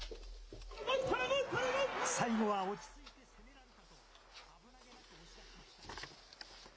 最後は落ち着いて攻められたと、危なげなく押し出しました。